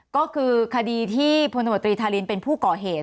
ก็คือคดีที่พลตมตรีธารินเป็นผู้ก่อเหตุ